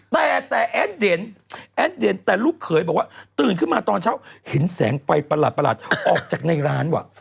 แต่แต่แอดเด่นแอดเด่นแต่ลูกเขยบอกว่าตื่นขึ้นมาตอนเช้าเห็นแสงไฟประหลาดออกจากในร้านว่ะ